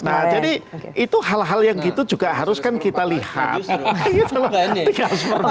nah jadi itu hal hal yang gitu juga harus kan kita lihat